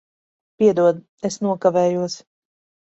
Piedod, es nokavējos.